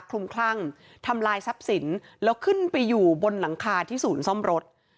คลุมคลั่งทำลายทรัพย์สินแล้วขึ้นไปอยู่บนหลังคาที่ศูนย์ซ่อมรถ